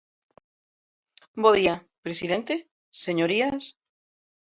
Bo día, presidente; señorías.